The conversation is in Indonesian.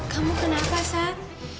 kamu kenapa sam